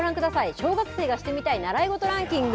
小学生がしてみたい習い事ランキング。